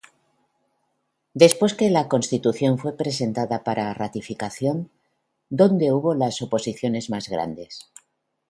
¿Después que la Constitución fue presentada para ratificación, donde hubo las oposiciones más grandes?